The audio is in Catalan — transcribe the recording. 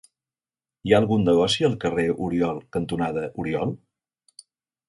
Hi ha algun negoci al carrer Oriol cantonada Oriol?